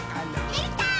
できたー！